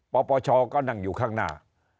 ปปชก็นั่งอยู่ข้างหน้า